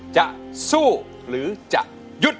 จะสู้หรือจะหยุด